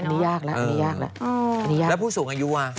อันนี้ยากแล้วอันนี้ยากแล้วอันนี้ยากแล้วแล้วผู้สูงอายุอ่ะ